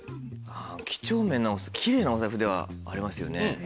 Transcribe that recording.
きちょうめんな奇麗なお財布ではありますよね。